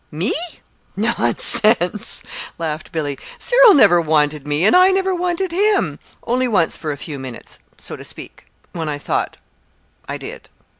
"Me? Nonsense!" laughed Billy. "Cyril never wanted me, and I never wanted him only once for a few minutes, so to speak, when I thought, I did.